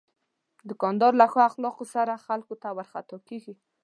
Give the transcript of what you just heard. دوکاندار له ښو اخلاقو سره خلکو ته ورخطا کېږي.